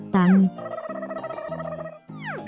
ตังค์